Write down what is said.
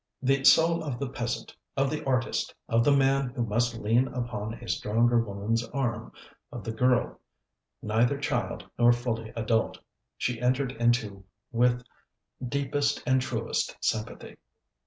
The soul of the peasant, of the artist, of the man who must lean upon a stronger woman's arm, of the girl neither child nor fully adult she entered into with deepest and truest sympathy.